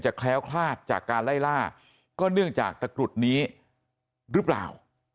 แคล้วคลาดจากการไล่ล่าก็เนื่องจากตะกรุดนี้หรือเปล่า